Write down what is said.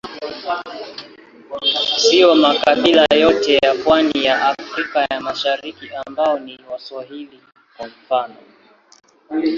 Siyo makabila yote ya pwani ya Afrika ya Mashariki ambao ni Waswahili, kwa mfano.